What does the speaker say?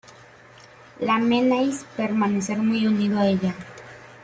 Lamennais permanecerá muy unido a ella.